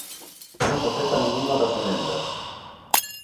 Non se acepta ningunha das emendas.